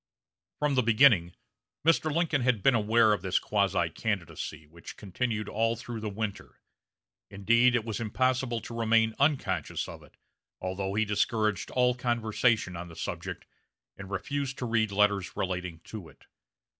From the beginning Mr. Lincoln had been aware of this quasi candidacy, which continued all through the winter Indeed, it was impossible to remain unconscious of it, although he discouraged all conversation on the subject, and refused to read letters relating to it.